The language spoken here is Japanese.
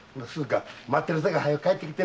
待ってるから早く帰ってきてな。